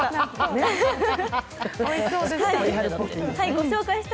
おいしそうでした。